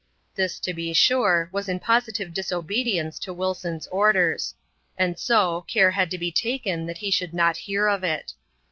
This, to be sure, was in positive disobedience to Wilson's orders ; and so^ care had to be taken that he should not hear of it.